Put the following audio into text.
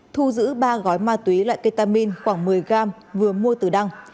thu giữ ba gói ma túy loại ketamin khoảng một mươi gram vừa mua từ đăng